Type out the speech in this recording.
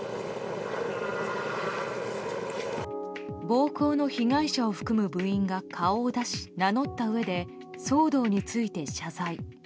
暴行の被害者を含む部員が顔を出し名乗ったうえで騒動について謝罪。